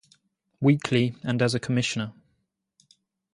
Weekly and as a commissioner.